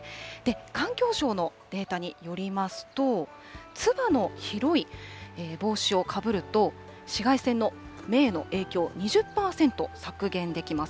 環境省のデータによりますと、つばの広い帽子をかぶると、紫外線の目への影響を２０％削減できます。